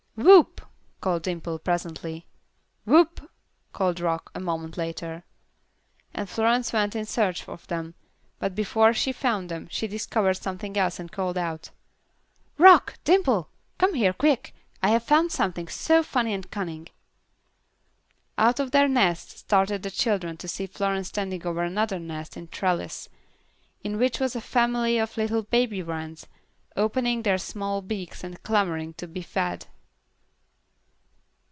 "Whoop!" called Dimple, presently. "Whoop!" called Rock, a moment later. And Florence went in search of them, but before she found them, she discovered something else and called out: "Rock! Dimple! Come here, quick. I have found something so funny and cunning." Out of their nests started the children to see Florence standing over another nest in a trellis, in which was a family of little baby wrens, opening their small beaks and clamoring to be fed.